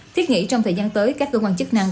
thiết nghĩ trong thời gian tới các cơ quan chức năng